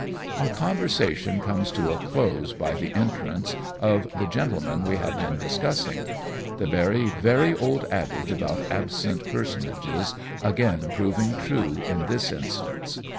Our conversation comes to a close by the entrance of the gentleman we have been discussing ; the very, very old adage about absent personages again proving true in this instance.